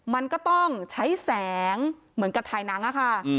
มันก็ต้องใช้แสงเหมือนกับถ่ายหนังอะค่ะ